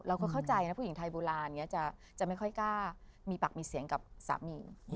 เข้าใจนะผู้หญิงไทยโบราณอย่างนี้จะไม่ค่อยกล้ามีปากมีเสียงกับสามี